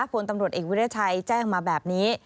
ผลตำรวจเอกวิทยาชัยแจ้งมาแบบนี้